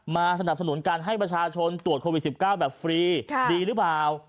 สนับสนุนการให้ประชาชนตรวจโควิด๑๙แบบฟรีดีหรือเปล่า